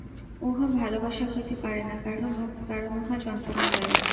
উহা ভালবাসা হইতে পারে না, কারণ উহা যন্ত্রণাদায়ক।